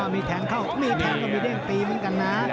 มีแทงเข้ามีแทงก็มีเด้งตีเหมือนกันนะ